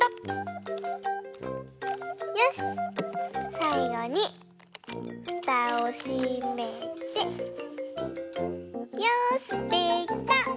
さいごにふたをしめてよしできた！